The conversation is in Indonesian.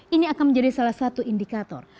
ini akan menjadi salah satu indikator